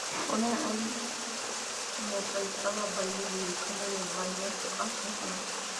Cornell ha inmortalizado a Bailey dedicándole el "Bailey Hall" en su honor.